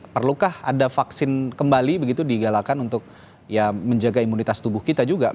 perlukah ada vaksin kembali begitu digalakan untuk menjaga imunitas tubuh kita juga